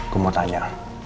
gue mau tanya